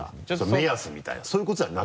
目安みたいなそういうことじゃなくて？